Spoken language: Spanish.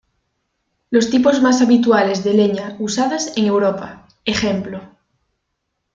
Los tipos más habituales de leña usadas en Europa, ej.